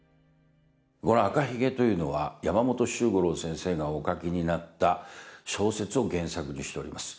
この「赤ひげ」というのは山本周五郎先生がお書きになった小説を原作にしております。